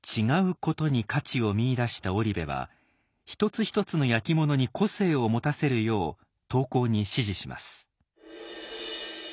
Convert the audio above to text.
「違うこと」に価値を見いだした織部は一つ一つの焼き物に個性を持たせるよう陶工に指示します。